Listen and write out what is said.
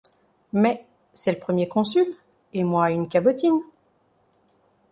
Mais c'est le Premier Consul, et moi une cabotine !